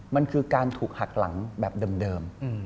มันคือการถูกหักหลังแบบเดิม